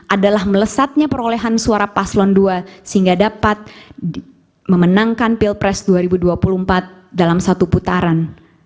adalah melesatnya perolehan suara paslon dua sehingga dapat memenangkan pilpres dua ribu dua puluh empat dalam satu putaran